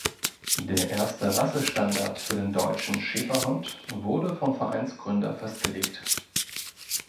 Der erste Rassestandard für den Deutschen Schäferhund wurde vom Vereinsgründer festgelegt.